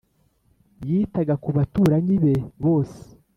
yitaga ku baturanyi be bose